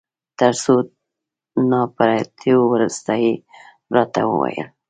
تر څو نا پړيتو وروسته يې راته وویل.